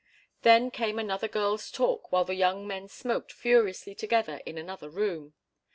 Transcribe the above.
Then came another girls' talk while the young men smoked furiously together in another room.